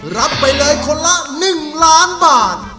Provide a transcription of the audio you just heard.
รับไปเลยคนละหนึ่งล้านบาท